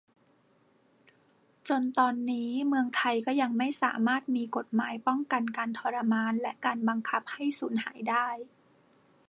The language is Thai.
จนตอนนี้ เมืองไทยก็ยังไม่สามารถมีกฎหมายป้องกันการทรมานและการบังคับให้สูญหายได้